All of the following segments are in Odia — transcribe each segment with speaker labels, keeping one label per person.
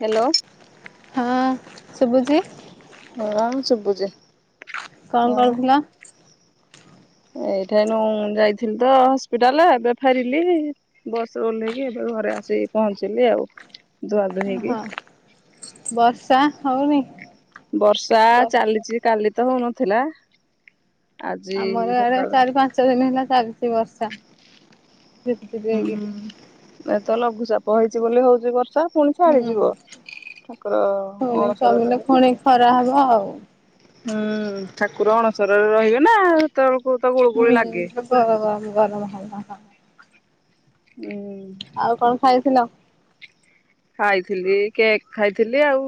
Speaker 1: ହ୍ୟାଲୋ
Speaker 2: ହଁ ଶୁଭୁଛି
Speaker 1: ନା ମ ସୁୁଭୁଚି।
Speaker 2: କଣ କରୁଥିଲ?
Speaker 1: ଏଇଠା ନୁ ଯାଇଥିଲି ତ ହସ୍ପିଟାଲ ଏବେ ଫହାରିଲି ବସରେ ଓହ୍ଲେଇକି ଏବେ ଘରେ ଆସି ପହଞ୍ଚିଲି ଆଉ ଧୁଆ ଧୁଇ ହେଇ
Speaker 2: ହଁ ବର୍ଷା ହଉନି?
Speaker 1: ବର୍ଷା
Speaker 2: ବ
Speaker 1: ଚାଲିଚି କାଲି ତ ହଉନଥିଲା। ଆଜି
Speaker 2: ଆମର ଆଡ଼େ
Speaker 1: ସକାଳୁ
Speaker 2: ଚାରି ପାଞ୍ଚ ଦିନିହେଲା ଚାଲିଚି ବର୍ଷା। ଝିପ୍ ଝିପ୍ ହେଇକି
Speaker 1: ହୁଁ ଏତ ଲଘୁଚାପ ହେଇଚି ବୋଲି ହଉଚି ବର୍ଷା ପୁଣି
Speaker 2: ହୁଁ
Speaker 1: ଛାଡ଼ିଯିବ ଠାକୁର
Speaker 2: ପୁଣି
Speaker 1: ଅଣସର
Speaker 2: କମିଲେ
Speaker 1: ରହିଗନେ
Speaker 2: ପୁଣି ଖରା ହବ ଆଉ।
Speaker 1: ହୁଁ ଠାକୁର ଅଣସରରେ ରହିବେନା ସେତେବେଳକୁ ତ ଗୁଳୁ ଗୁଳି ଲାଗେ।
Speaker 2: ଯୋଉ ଗରମ ଗରମ ହବ।
Speaker 1: ହୁଁ।
Speaker 2: ଆଉ କଣ ଖାଇଥିଲ?
Speaker 1: ଖାଇଥିଲି କେକ୍ ଖାଇଥିଲି ଆଉ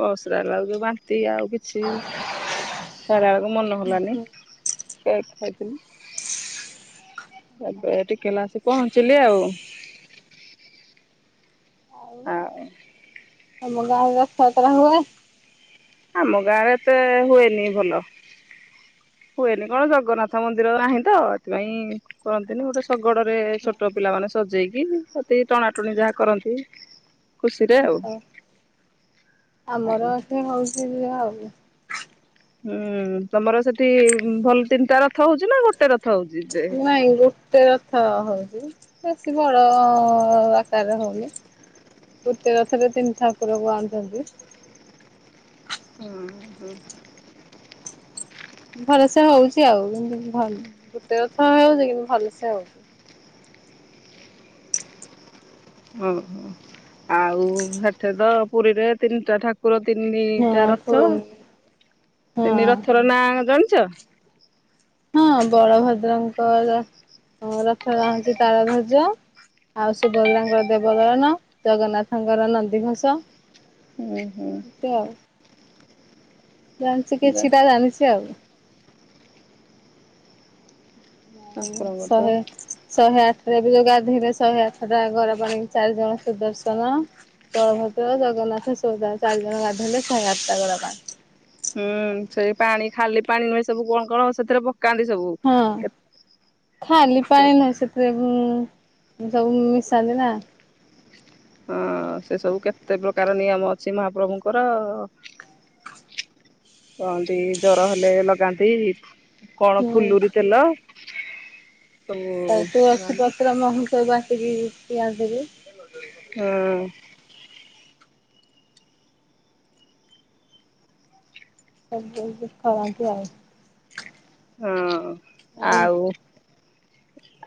Speaker 1: ବସ୍ ରେ ଆଇଲା ବେଳକୁ ଯୋଉ ବାନ୍ତି ଆଉ କି କିଛି ଖାଇବାକୁ ମନ ହେଲାନି କେକ୍ ଖାଇଥିଲି।
Speaker 2: [inaudible]
Speaker 1: ଏବେ ଟିକେ ହେଲା ଆସି ପହଞ୍ଚିଲି ଆଉ।
Speaker 2: ଆଉ ତମ ଗାଁରେ ରଥଯାତ୍ରା ହୁଏ?
Speaker 1: ଆମ ଗାଁରେ ଏତେ ହୁଏନି ଭଲ। ହୁଏନି କଣ ଜଗନ୍ନାଥ ମନ୍ଦିର ନାହିଁ ତ ଏଥିପାଇଁ କରନ୍ତିନି ଗୋଟେ ଶଗଡ଼ରେ ଛୋଟ ପିଲାମାନେ ସଜେଇକି ସେତିକି ଟଣାଟଣି ଯାହା କରନ୍ତି। ଖୁସିରେ ଆଉ।
Speaker 2: ଆମର ଏଠି ହଉଚି ଯେ ଆଉ।
Speaker 1: ହୁଁ ତମର ସେଠି ଭଲ ତିନିଟା ରଥ ହଉଚି ନା ଗୋଟେ ର ଥ ହଉଚି ଯେ
Speaker 2: ନାଇଁ ଗୋଟେ ରଥ ହଉଚି ବେଶୀ ବଡ଼ ଆକାରରେ ହଉନି। ଗୋଟେ ରଥରେ ତିନି ଠାକୁରଙ୍କୁ ଆଣୁଚନ୍ତି।
Speaker 1: ହୁଁ ହୁଁ।
Speaker 2: ଭଲସେ ହଉଚି ଆଉ କିନ୍ତୁ ଭଲ ଗୋଟେ ରଥ ହଉଚି କିନ୍ତୁ ଭଲସେ ହଉଚି।
Speaker 1: ଓହୋ ଆଉ ହେଠିତ ପୁରୀରେ ତିନିଟା ଠାକୁ ଠାକୁର ତିନିଟା
Speaker 2: ହଁ
Speaker 1: ରଥ
Speaker 2: ପୁଣି ହଁ
Speaker 1: ତିନି ରଥର ନାଁ ଜାଣିଚ?
Speaker 2: ହଁ ବଳଭଦ୍ରଙ୍କର ରଥ ରଥନାଁ ହଉଚି ତାଳଧ୍ବଜ। ଆଉ ସୁଭଦ୍ରାଙ୍କର ଦେବଦଳନ ଜଗନ୍ନାଥଙ୍କର ନନ୍ଦୀଘୋଷ।
Speaker 1: ହୁଁ ହୁଁ।
Speaker 2: ଜାଣିଚି
Speaker 1: ଯା
Speaker 2: କିଛିଟା ଜାଣିଚି ଆଉ। ଯାଉ
Speaker 1: ଠାକୁରଙ୍କ ତ
Speaker 2: ଶହେ ଶହେ ଆଠଟରେ ଏବେ ଯୋଉ ଗାଧୋଇଲେ ଶହେ ଆଠଟା ଗରା ପାଣି ଚାରି ଜଣ ସୁଦର୍ଶନ। ବଳଭଦ୍ର ଜଗନ୍ନାଥ ସୁଭଦ୍ରା ଚାରି ଜଣ ଗାଧୋଇଲେ ଶହେ ଆଠଟା ଗରା ପାଣି।
Speaker 1: ହୁଁ ସେଇ ପାଣି ଖାଲି ପାଣି ନୁହେଁ ସବୁ କଣ କଣ ସେଥିରେ ପ କାନ୍ତି ସବୁ।
Speaker 2: ହଁ
Speaker 1: କେତେ
Speaker 2: ଖାଲି ପାଣି ନାହିଁ ସେ ସେଆକୁ ସବୁ ମିଶାନ୍ତି ନା।
Speaker 1: ହଁ ସେ ସବୁ କେତେ ପ୍ରକାର ନିୟମ ଅଛି ମହାପ୍ରଭୁଙ୍କର। କହନ୍ତି ଜର ହେଲେ ଲଗାନ୍ତି କଣ
Speaker 2: ହୁଁ
Speaker 1: ଫୁଲୁରୀ ତେଲ। ସବୁ
Speaker 2: ଆଉ
Speaker 1: ହଁ
Speaker 2: ତୁଳସୀ ପତ୍ର ମହୁ ସବୁ ବାଟିକି ପିଆଇଦେବେ।
Speaker 1: ହଁ।
Speaker 2: ସବୁ ଏମିତି କରନ୍ତି ଆଉ।
Speaker 1: ହଁ ଆଉ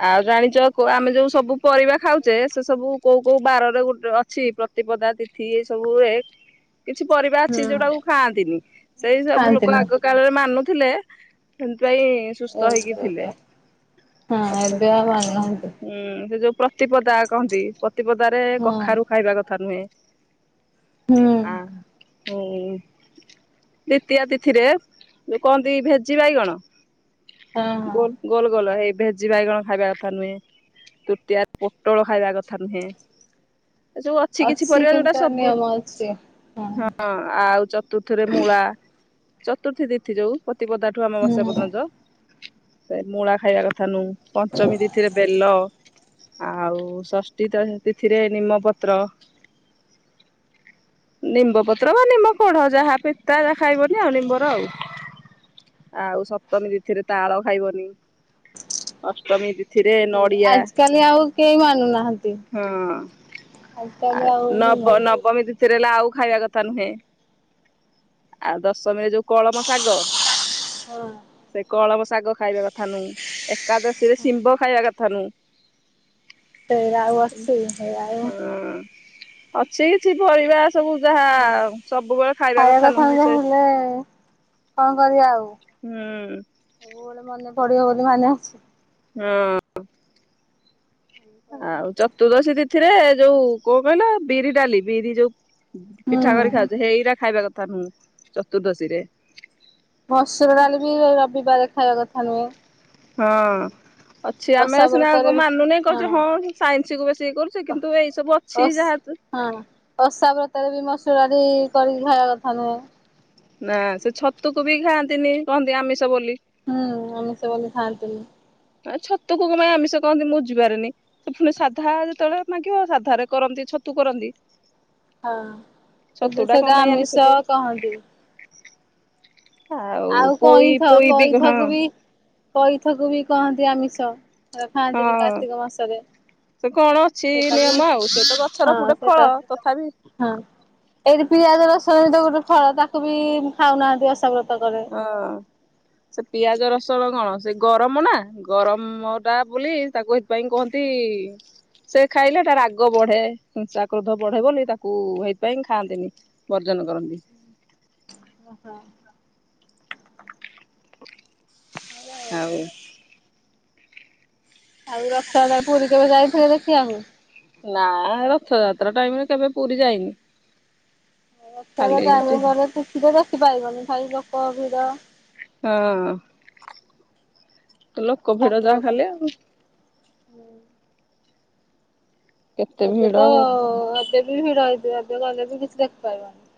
Speaker 1: ଆଉ ଜାଣିଚ ଆମେ ଯୋଉ ସବୁ ପରିବା ଖାଉଚେ ସେ ସବୁ କୋଉ କୋଉ ବାରରେ ଗୋଟେ ଅଛି ପ୍ର ପ୍ରତିପଦା ତିଥି ଏସବୁ ସବୁ ହୁଏ। କିଛି ପରିବା ଅଛି
Speaker 2: ହୁଁ
Speaker 1: ଯୋଉଟାକୁ ଖାଆନ୍ତିନି ସେଇ ସବୁ ଲୋକ
Speaker 2: ଖାଆନ୍ତିନି
Speaker 1: ଆଗ କାଳରେ ମାନୁଥିଲେ ସେଇଥିପାଇଁ ସୁସ୍ଥ ହେଇକି
Speaker 2: ଏବେ
Speaker 1: ଥିଲେ
Speaker 2: ହଁ
Speaker 1: ଆଛା।
Speaker 2: ଏବେ ଆଉ ମାନୁନାହାନ୍ତି
Speaker 1: ହୁଁ ସେ ଯୋଉ ପ୍ରତିପଦା କହନ୍ତି ପ୍ରତିପଦରେ
Speaker 2: ହଁ
Speaker 1: କଖାରୁ ଖାଇବା କଥା ନୁହେଁ।
Speaker 2: ହୁଁ
Speaker 1: ଆ ହୁଁ ଦ୍ୱିତୀୟା ତିଥିରେ ଯୋଉ କହନ୍ତି ଭେ ଜି ବାଇଗଣ
Speaker 2: ହଁ ହଁ
Speaker 1: ଗୋଲ ଗୋଲ ଗୋଲ ଏ ଭେଜି ବାଇଗଣ ଖାଇବା କଥା ନୁହେଁ। ତୃତୀୟା ପୋଟଳ ଖାଇବା କଥା ନୁହେଁ ଏ ଯୋଉ ଅଛି କିଛି ପରିବା
Speaker 2: କିନ୍ତୁ
Speaker 1: ଯୋଉଟା
Speaker 2: ତାର
Speaker 1: ସବୁ
Speaker 2: ନିୟମ ଅଛି
Speaker 1: ହଁ ଆଉ ତୁର୍ଥୀରେ ମୂଳା ଚତୁର୍ଥୀ ତିଥି ଯୋଉ ପତିପଦାଠୁ ଆମାବଶ୍ୟା
Speaker 2: ହୁଁ
Speaker 1: ଯ ସେ ମୂଳା ଖାଇବା କଥା ନୁ ପଞ୍ଚମୀ ତିଥିରେ ବେଲ ଆଉ ଷଷ୍ଠୀ ତ ତିଥିରେ ନିମପତ୍ର ନିମ୍ବ ପତ୍ର ବା ନିମ୍ବ କଢ଼ ଯାହା ପିତା ଯହା ଖାଇବନି ଆଉ ନିମ୍ବର ଆଉ ଆଉ ସପ୍ତମୀ ତିଥିରେ ତାଳ ଖାଇବନି ଅଷ୍ଟମୀ ତିଥି ଥିରେ ନଡ଼ିଆ
Speaker 2: ଆଜିକାଲି ଆଉ କେହି ମାନୁନାହାନ୍ତି
Speaker 1: ହଁ ଆ
Speaker 2: ଆଜିକାଲି ଆଉ କେହି
Speaker 1: ନବ
Speaker 2: ମାନୁନାହାନ୍ତି
Speaker 1: ନବମୀ ତି ସେଥିରେ ଲାଉ ଖାଇବା କଥା ନୁହେଁ ଆଉ ଦଶମୀରେ ଯୋଉ କଳମ ଶାଗ
Speaker 2: ହଁ
Speaker 1: ସେ କଳମ ଶାଗ ଖାଇବା କଥା ନୁ ଏକାଦଶୀରେ ଶିମ୍ବ ଖାଇବା କଥା ନୁ
Speaker 2: ସେଇରା ଆଉ ଅଛିୁ ସେଇରାଉ
Speaker 1: ହଁ ଅଛି କିଛି ପରିବା ସବୁ ଯାହା ସବୁବେଳେ ଖାଇବା କଥା ନୁହଁ ସେ
Speaker 2: ମୁଁ କଣ କରିବା ଆଉ
Speaker 1: ହୁଁ
Speaker 2: ସବୁବେଳେ ମନେ ପଡିବ ବୋଲି ମାନେ ଅଛି
Speaker 1: ହୁଁ ଆଉ ଚତୁର୍ଦଶୀ ତିଥିରେ ଯୋଉ କଣ କହିଲ ବିରି ଡାଲି ବିରି ଯୋଉ
Speaker 2: ହୁଁ
Speaker 1: ପିଠା
Speaker 2: ହୁଁ
Speaker 1: କରି ଖାଉଛ ହେଇରା ଖାଇବା କଥା ନୁହଁ ଚତୁର୍ଦ୍ଦଶୀ ରେ
Speaker 2: ମସୁର ଡାଲି ବି ରବିବାର ଖାଇବା କଥା ନୁହେଁ
Speaker 1: ହଁ ଅଛି ଆମେ
Speaker 2: ଓଷା
Speaker 1: ସିନା
Speaker 2: ବ୍ରତରେ
Speaker 1: କ
Speaker 2: ବି
Speaker 1: ମାନୁନେ କହୁଛେ ହଁ ସାଇନ୍ସ କୁ ବେଶୀ ଇଏ କରୁୁ ସେ କିନ୍ତୁ ଏଇ ସବୁ ଅଛି
Speaker 2: ଓସ୍
Speaker 1: ଯାହା
Speaker 2: ହଁ ପଷା ବ୍ରତରେ ବି ମସୁର କରିକି ଖାଇବା କଥା ନୁହେଁ
Speaker 1: ନା ସେ ଛତୁକୁ ବି ଖାଆନ୍ତିନି କହନ୍ତି ଆମିଷ ବୋଲି
Speaker 2: ହୁଁ ଆମିସ ବୋଲି ଖାଆନ୍ତିନୀ
Speaker 1: ଛତୁ କୁ କଣ ପାଇଁ ଆମିଷ କହନ୍ତି ମୁଁ ବୁଝିପାରେନି ସେ ପୁଣି ସାଧା ଯେତେବେଳେ ମାଗିବ ସାଧାରେ କରନ୍ତି ଛତୁ କରନ୍ତି
Speaker 2: ହଁ
Speaker 1: ଛତୁ
Speaker 2: କିନ୍ତୁ
Speaker 1: ଟା କଣ
Speaker 2: ସେଇଟା
Speaker 1: ପାଇଁ
Speaker 2: ଆମିଷ
Speaker 1: କେଜାଣି।
Speaker 2: କହନ୍ତି ଆଉ
Speaker 1: ପୋଇ
Speaker 2: କଇଁଥ
Speaker 1: ପୋଇ ବି ହଁ
Speaker 2: କଇଥକୁ ବି କଇଥକୁ ବି କହନ୍ତି ଆମିଷ ଖାଆନ୍ତିନି
Speaker 1: ହଁ
Speaker 2: କାର୍ତ୍ତିକ ମାସରେ
Speaker 1: ସେ କଣ ଅଛି
Speaker 2: ସେଟା ବି
Speaker 1: ନିୟମ ଆଉ ସେ ତ ଗଛର
Speaker 2: ହଁ
Speaker 1: ଗୋଟେ ଫଳ
Speaker 2: ସେଟା
Speaker 1: ତଥାପି
Speaker 2: ହଁ ଏଠି ପିଆଜ ରସଣ ଗୋଟେ ଫଳ ତାକୁ ବି ଖାଉନାହାନ୍ତି ଓସାବ୍ରତ କରି
Speaker 1: ହଁ ସେ ପିଆଜ ରସୁଣ କଣ ସେ ଗରମ ନା ଗରମ ଟା ବୋଲି ତାକୁ ଏଥିପାଇଁ କୁହନ୍ତି ସେ ଖାଇଲେ ହେଟା ରାଗ ବଢେ ହିଂସା କ୍ରୋଧ ବଢେଇବନ ତାକୁ ସେଇଥିପାଇଁ ଖାଆନ୍ତିନି ବର୍ଜନ କରନ୍ତି
Speaker 2: ଓହୋ ହଉ ଆଉ ଆଉ ରଥ ପୁରୀ କେବେ ଯାଇଥିଲେ ଦେଖିବାକୁ
Speaker 1: ନା ରଥଯାତ୍ରା ଟାଇମରେ କେବେ ପୁରୀ ଯାଇନି
Speaker 2: ରଥ
Speaker 1: ଖାଲି ହଁ
Speaker 2: ଟ ଆମେ ଘରେ ଖୁସି ତ ଦେଖିପାରିବନି ଭାଇ ଲୋକ ଭିଡ
Speaker 1: ହଁ ଲୋକ ଭିଡ ଯାହା ଖାଲି ଆଉ
Speaker 2: ହୁଁ।
Speaker 1: କେତେ
Speaker 2: ଏବେ
Speaker 1: ଭିଡ
Speaker 2: ତ ଏତେ ବି ଭିଡ ହେଇଥିବ ଏବେ ଗଲେ ବି କିଛି ଦେଖିପାରିବନି।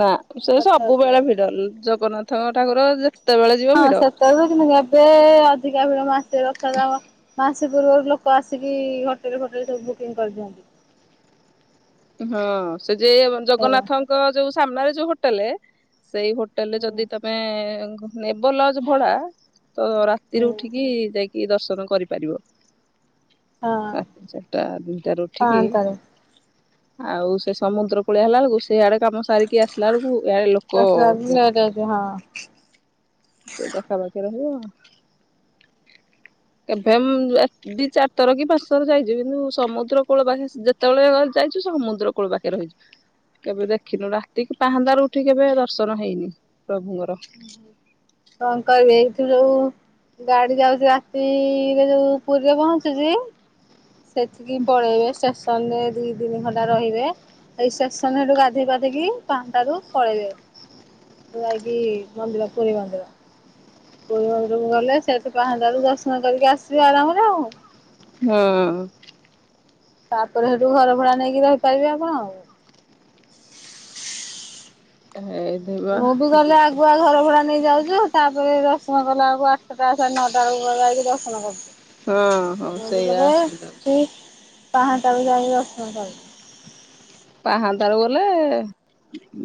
Speaker 1: ନା ସେ ସବୁବେଳେ
Speaker 2: ରଥଯାତ୍ରାରେ
Speaker 1: ଭିଡ଼ ଜଗନ୍ନାଥ ଠାକୁର ଯେତେବେଳେ ଯିବ
Speaker 2: ହଁ
Speaker 1: ଭିଡ଼।
Speaker 2: କିନ୍ତୁ ଏବେ ଅଧିକା ଭିଡ ମାସେ [unintelligible] ସେ ପୂର୍ବରୁ ଲୋକ ଆସିକି ହୋଟେଲ୍ ଫୋଟେଲ ସବୁ ବୁକିଂଙ୍ଗ କରିଦିଅନ୍ତି।
Speaker 1: ହଁ ସେ ଯେ
Speaker 2: ଦେଖିବା
Speaker 1: ଜଗନ୍ନାଥଙ୍କ ଯୋଉ ସାମ୍ନାରେ ଯୋଉ ହୋଟେଲେ ସେଇ ହୋ ହୋଟେଲ୍ ରେ
Speaker 2: ହୁଁ
Speaker 1: ଯଦି ତମେ ନେବ ଲଜ୍ ଭଡା ତ ରାତିରୁ
Speaker 2: ହୁଁ
Speaker 1: ଉଠିକି ଯାଇକି ଦର୍ଶନ କରିପାରିବ।
Speaker 2: ହଁ।
Speaker 1: ରାତି ଚାରିଟା ଦିଇଟାରୁ ଉଠିକି
Speaker 2: ପାଆନ୍ତାରେ
Speaker 1: ଆଉ ସେ ସମୁଦ୍ର କୂଳିଆ ହେଲା ଳକୁ ସେଇଆଡେ କାମ ସାରିକି ଆସିଲା ଳକୁ ଇଆଡେ ଲୋକ
Speaker 2: ଆସିଲା ବେଳକୁ
Speaker 1: ନାହିଁ
Speaker 2: ଲେଟ୍ ହେଇଛି ହଁ
Speaker 1: ସେ ପାଖା ପାଖି ରହିବ। କେଭେମ ଏ ଦି ଚାରିଥର କି ପାଞ୍ଚ୍ ଥର ଯାଇଛି କିନ୍ତୁ ସମୁଦ୍ର କୂଳ ପାଖ ଯେତେବେଳେ [unintelligible] ଯାଇଛୁ ସମୁଦ୍ର କୂଳ ପାଖେ ରହିଛୁ। କେବେ ଦେଖିନୁ ରାତି କି ପାହାନ୍ତାରୁ ଉଠିକି କେବେ ଦର୍ଶନ ହେଇନି ପ୍ରଭୁଙ୍କର।
Speaker 2: କଣ କଇବି ଏଇଥିୁ ଯୋଉ ଗାଡି ଯାଉଛି ରାତି ରେ ଯୋଉ ପୁରୀରେ ପହଞ୍ଚୁଛି। ସେଠିକି ପଳେଇବେ ଷ୍ଟେସନ୍ ରେ ଦି ତିନି ଘଣ୍ଟା ରହିବେ ଷ୍ଟେସନ୍ ହେଠୁ ଗାଧୋଇ ପାଧେଇକି ପାହାନ୍ତାରୁ ରୁ ପଳେଇବେ। ଯାଇକି ମନ୍ଦିର ପୁରୀ ମନ୍ଦିର। ପୁରୀ ମନ୍ଦିର କୁ ଗଲେ ସେଠୁ ପାହାନ୍ତା ରୁ ଦର୍ଶନ କରିକି ଆସିବ ଆରାମରେ ଆଉ।
Speaker 1: ହୁଁ।
Speaker 2: ତାପରେ ହେଠୁ ଘର ଭଡା ନେଇକି ରହିପାରିବେ ଆପଣ ଆଉ।
Speaker 1: ହେଇଥିବ
Speaker 2: ମୁଁ ବି ଗଲେ
Speaker 1: ଯିବ।
Speaker 2: ଆଗୁଆ ଘର ଭଡା ନେଇ ଯାଉଚୁ ତାପରେ ଦର୍ଶନ କଲା ବଳକୁ ଆଠଟା ସେ ନଅଟା ବେକୁ ଯାଇକି ଦର୍ଶନ କରୁଛୁ।
Speaker 1: ହଁ ହଁ ସେଇଆ ଅସୁବିଧା ହଉଛି।
Speaker 2: [unintelligible] ପାହାନ୍ତ ରୁ ଯାଉ ଦର୍ଶନ କରି।
Speaker 1: ପାହାନ୍ତାରୁ ଗଲେ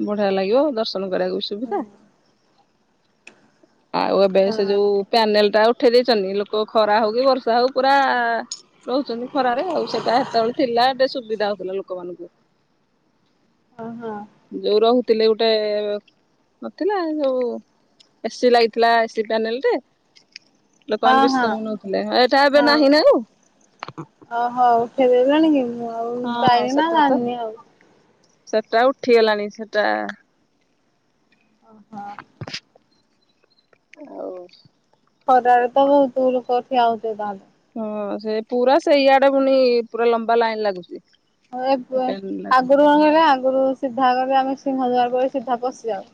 Speaker 1: ବଢିଆ ଲାଗିବ ଦର୍ଶନ କରିବାକୁ ବି ସୁବିଧା
Speaker 2: ହଁ
Speaker 1: ଆଉ ଏବେ ସେ ଯୋଉ ପ୍ୟାନେଲ୍ ଟା ଉଠେଇ ଦେଇଛନ୍ତି ଲୋକ ଖରା ହଉ କି ବର୍ଷା ହଉ ପୁରା ରହୁଛନ୍ତି ଖରାରେ ଆଉ ସେଇଟା ହେତବେଳେ ଥିଲା ଟେ ସୁବିଧା ହଉଥିଲା ଲୋକମାନଙ୍କୁ।
Speaker 2: ହଁ ହଁ।
Speaker 1: ଯୋଉ ରହୁଥିଲେ ଗୋଟେ ନଥିଲା ଯୋଉ ଏସିି ଲାଗିଥିଲା ଏସି ପ୍ୟାନେଲ ଟେ ଲୋକମାନେ
Speaker 2: ହଁ ହଁ
Speaker 1: ବିଶ୍ରାମ ନଉଥିଲେ ଏଟା ଏବେ ନାହିଁ ନା ଆଉ।
Speaker 2: ଓହୋ ଉଠେଇ ଦେଲେଣି କି ମୁଁ ଆଉ
Speaker 1: ହଁ
Speaker 2: ଯାଇନି ନା
Speaker 1: ସେଟା ତ
Speaker 2: ଜାଣିନି ଆଉ
Speaker 1: ସେଟା ଉଠିଗଲାଣି ସେଟା
Speaker 2: ଓହୋ।
Speaker 1: ଆଉ।
Speaker 2: ଖରାରେ ତ ବହୁତୁ ଲୋକ ଠିଆ ହଉଥିବେ ତାହାଲେ।
Speaker 1: ହଁ ସେ ପୁରା ସେ ଇଆଡେ ପୁଣି ପୁରା ଲମ୍ବା ଲାଇନ୍ ଲାଗୁଚି।
Speaker 2: ହଁ ଏବେ ଆଗରୁ କଣ କହିଲେ ଆ ଆଗରୁ ସିଧା ଗଲେ ଆମେ ସିଂହଦ୍ଵାର ପରେ ସିଧା ପଶିଯାଉ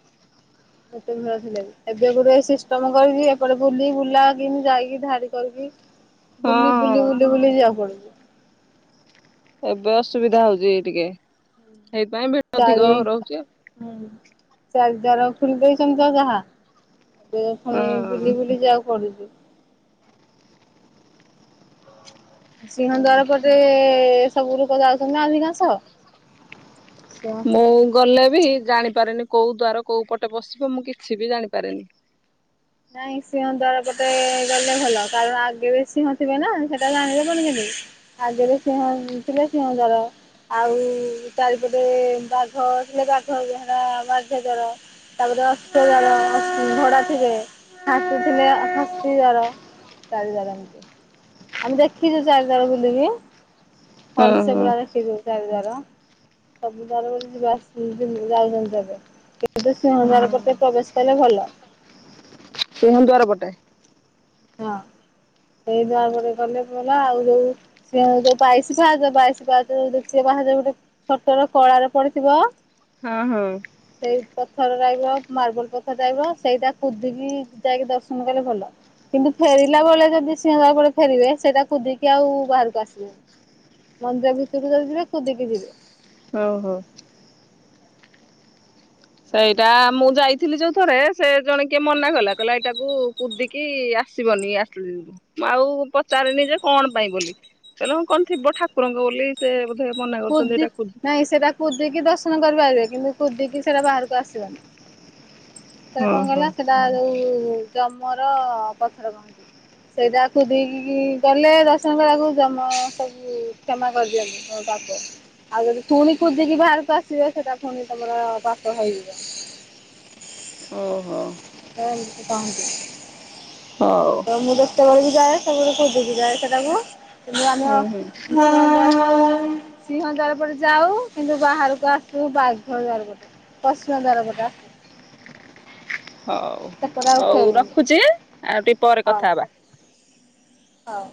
Speaker 2: ଯେତେ ଭିଡ଼ ଥିଲେବି। ଏବେ ଗୋଟେ ସିଷ୍ଟମ୍ କରିକି ଏପଟେ ବୁଲି ବୁଲା କିନ ଯାଇକି ଧାଡି କରିକି ବୁଲି ବୁଲି
Speaker 1: ହଁ
Speaker 2: ବୁଲି ବୁଲି ଯିବାକୁ ପଡୁଛି।
Speaker 1: ଏବେ ଅସୁବିଧା ହଉଚି ଟିକେ ସେଇ ପାଇଁ ଭି
Speaker 2: ଚାରି ହୁଁ ଚାରି ଦ୍ଵାର ଖୁଲି ଦେଇଛନ୍ତି ଯାହା ଏବେ ଫୁଣି
Speaker 1: ହଁ
Speaker 2: ବୁଲି ବୁଲି ଯିବାକୁ ପଡୁଛିୁ। ସିଂହଦ୍ଵାର ପଟେ ସବୁ ଲୁକ ଯାଉଚନ୍ତି ନାଁ ଅଧିକାଂଶ ସିଂହ
Speaker 1: ମୁଁ ଗଲେ ବି ଜାଣିପାରେନି କୋଉ ଦ୍ଵାର କୋଉ ପଟେ ପସିବି ମୁଁ କିଛି ବି ଜାଣିପାରେନି।
Speaker 2: ନାଇଁ ସିଂହ ଦ୍ଵାର ପଟେ ଗଲେ ଭଲ କାରଣ ଆଗେ ରେ ସିଂହଥିବ ନା ସେଟା ଜାଣିହବନି କେମତି। ଆଗରେ ସିଂହ ଥିଲେ ସିଂହଦ୍ଵାର ଆଉ ଚାରିପଟେ ବାଘ ଥିଲେ ବାଘ ହେଟା ବାଘ ଦ୍ବାର। ତାପରେ ଅସ୍ତ ଦ୍ବାର ଅ ଘୋଡା ଥିବେ। ହାସି ଥିଲେ ହାସି ଦ୍ବାର ଚାରିଦ୍ବାର ଏମିତି। ଆମେ ଦେଖିଛୁ ଚାରିଦ୍ବାର ବୁଲିକି ହଲସେ
Speaker 1: ହଁ
Speaker 2: ପୁରା ଦେଖିଛୁ। ଚାରି ଦାର ସବୁ ଦର ବୋଲି ଯିବା ଯାଉଛନ୍ତି ଏବେ। କିନ୍ତୁ ସିଂହନ୍ଦାର
Speaker 1: ହଁ
Speaker 2: ପଟେ ପ୍ରବେଶ କଲେ ଭଲ।
Speaker 1: ସିଂହ ଦ୍ୱାର ପଟେ। ହଁ
Speaker 2: ସେଇ ଦ୍ୱାର ପଟେ ଗଲେ ପରା ଆଉ ଯୋଉ ସେ ଯୋଉ ବାଇଶି ପାହାଚ ବାଇଶି ପାହାଚ ଦେଖିଥିବେ ବାହାରେ ଗୋଟେ ସର୍ତ ରେ କଳାରେ ପଡିଥିବ।
Speaker 1: ହଁ ହଁ।
Speaker 2: ସେଇ ପଥର ରହିବ ମାର୍ବଲ ପଥର ରହିବ। ସେଇଟା କୁଦିକି ଯାଇକି ଦର୍ଶନ କଲେ ଭଲ। କିନ୍ତୁ ଫେରିଲା ବେଳେ ଯଦି ସିଂହ ଦ୍ୱାର ପଟେ ଫେରିବେ। ସେଇଟା କଦିକି ଆଉ ବାହାରକୁ ଆସିବେ। ମନ୍ଦିର ଭିତରକୁ ଯଦି ଯିବେ କୁଦିକି ଯିବେ।
Speaker 1: ହୋଉ ହୋଉ। ସେଇଟା ମୁଁ ଯାଇଥିଲି ଯୋଉ ଥରେ ସେ ଜଣେ କିଏ ମନା କଲା। କହିଲା ଏଇଟାକୁ କୁଦି କି ଆସିବନି ଆସିଲି ଆଉ ପଚାରିନି ଯେ କଣ ପାଇଁ ବୋଲି? ଚାଲମ କଣ ଥିବ ଠାକୁରଙ୍କ ବୋଲି ସେ ବୋଧେ ମନା କରୁଛନ୍ତି
Speaker 2: କୁଦି
Speaker 1: ଠାକୁର।
Speaker 2: ନାଇଁ ସେଇଟା କୁଦିକି ଦର୍ଶନ କରିପାରିବେ କିନ୍ତୁ କୁଦିକି ସେଇଟା ବାହାରକୁ ଆସିବନି। ପରେ କଣ
Speaker 1: ଓହୋ
Speaker 2: କହିଲା ସେଟା ଯୋଉ ଜମର ପଥର କହନ୍ତି ସେଇଟା କୁଦିକୀ ଗଲେ ଦର୍ଶନଙ୍କକୁ ଜମା ସବୁ କ୍ଷମା କରିଦିଅନ୍ତୁ। ପାପ ଆଉ ଯଦି ପୁଣି କୁଦିକି ବାହାରକୁ ଆସିବେ ସେଟା ପୁଣି ତମର ପାପ ହେଇଯିବ।
Speaker 1: ଓହୋ।
Speaker 2: ହଁ ହେମିତି କହନ୍ତି।
Speaker 1: ହୋଉ।
Speaker 2: ମୁଁ ଯେତେବେଳେ ବି ଯାଏ ସବୁ କୁଦିକି ଯାଏ ସେଟାକୁ। ଯଦି ଆମ
Speaker 1: ହୁଁ ହୁଁ
Speaker 2: ସିଂହ ଦ୍ୱାର ପଟେ ଯାଉ କିନ୍ତୁ ବାହାରକୁ ଆସୁ ବାଘ ଦ୍ଵାର ପଟେ। ପଶ୍ଚିମ ଦ୍ୱାର ପଟେ ଅସୁ।
Speaker 1: ହୋଉ
Speaker 2: ଆଉ
Speaker 1: ହୋଉ
Speaker 2: ଫେରୁନି
Speaker 1: ରଖୁଛି ଆଉ ଟିକେ ପରେ କଥା ହବା।
Speaker 2: ହୋଉ।